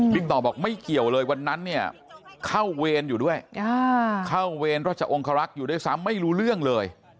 ต่อบอกไม่เกี่ยวเลยวันนั้นเนี่ยเข้าเวรอยู่ด้วยเข้าเวรราชองครักษ์อยู่ด้วยซ้ำไม่รู้เรื่องเลย